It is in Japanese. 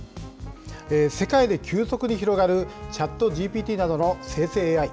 世界で急速に広がる、チャットＧＰＴなどの生成ＡＩ。